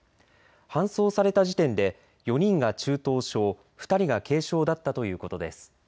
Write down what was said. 搬送された時点で４人が中等症、２人が軽症だったということです。